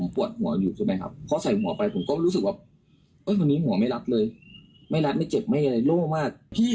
พี่ผมร้องไปเอามา